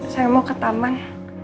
saya mau ke taman